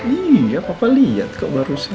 iya papa liat kok barusan